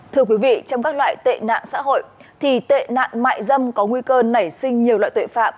thưa quý vị trong các loại tệ nạn xã hội thì tệ nạn mại dâm có nguy cơ nảy sinh nhiều loại tội phạm